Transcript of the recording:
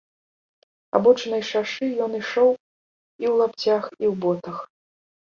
Абочынай шашы ён ішоў і ў лапцях, і ў ботах.